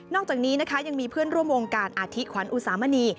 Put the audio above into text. จากนี้นะคะยังมีเพื่อนร่วมวงการอาทิขวัญอุสามณี